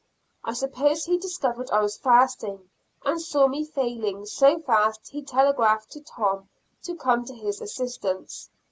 I suppose he discovered I was fasting, and saw me failing so fast he telegraphed to Tom to come to his assistance.